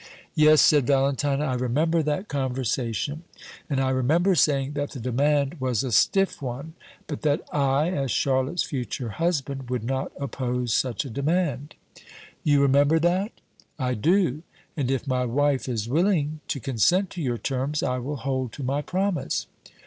"Yes," said Valentine, "I remember that conversation; and I remember saying that the demand was a stiff one, but that I, as Charlotte's future husband, would not oppose such a demand." "You remember that?" "I do; and if my wife is willing to consent to your terms, I will hold to my promise."